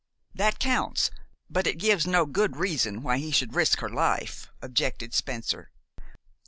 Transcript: "That counts, but it gives no good reason why he should risk her life," objected Spencer.